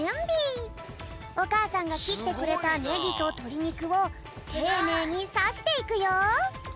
おかあさんがきってくれたねぎととりにくをていねいにさしていくよ。